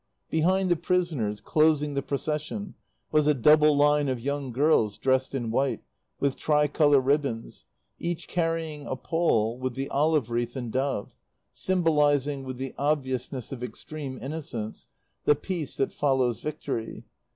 Behind the prisoners, closing the Procession, was a double line of young girls dressed in white with tricolour ribbons, each carrying a pole with the olive wreath and dove, symbolizing, with the obviousness of extreme innocence, the peace that follows victory.